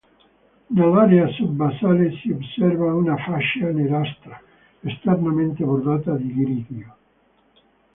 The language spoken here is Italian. Nell'area sub-basale si osserva una fascia nerastra, esternamente bordata di grigio.